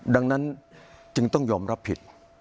ดังนั้นจึงต้องยอมรับผิด